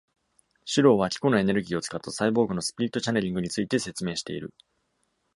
シローは、キコのエネルギーを使ったサイボーグのスピリットチャネリングについて説明している。